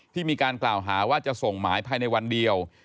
ที่มีการกล่าวหาว่าจะส่งหมายภายในวันเดียว